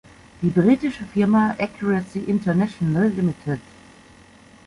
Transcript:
Die britische Firma "Accuracy International Ltd.